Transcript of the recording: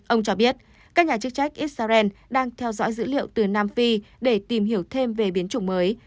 ông cho biết các nhà chức trách israel đang theo dõi dữ liệu từ nam phi để tìm hiểu thêm về biến chủng mới